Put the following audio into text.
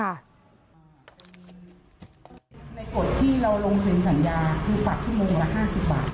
ในกฎที่เราลงเซ็นสัญญาคือปรับชั่วโมงละ๕๐บาท